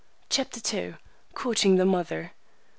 CHAPTER II. COURTING THE MOTHER.